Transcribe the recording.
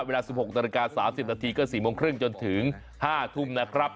เวลา๑๖น๓๐นก็๔โมงครึ่งจนถึง๕ทุ่มนะครับ